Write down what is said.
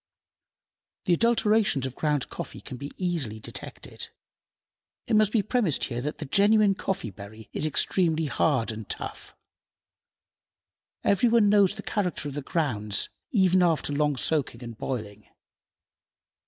The adulterations of ground coffee can be easily detected. It must be premised here that the genuine coffee berry is extremely hard and tough. Every one knows the character of the grounds even after long soaking and boiling.